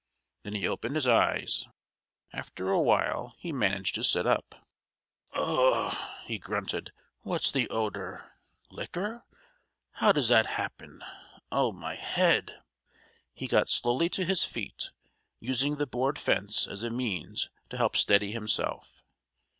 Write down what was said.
Then he opened his eyes; after a while he managed to sit up. "Ugh!" he grunted. "What's the odor? Liquor! How does that happen? Oh, my head!" He got slowly to his feet, using the board fence as a means to help steady himself.